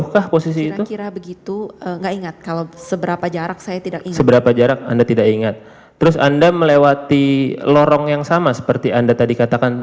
keliatannya seperti itu ya